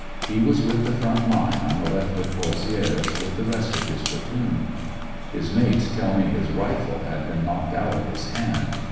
He was with the front Une on the left of Pozieres, with the rest of liis platoon. His mates tell me his rifle had been knocked out of his hand.